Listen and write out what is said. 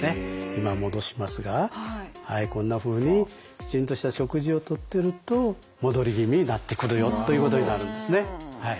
今戻しますがはいこんなふうにきちんとした食事をとってると戻り気味になってくるよということになるんですね。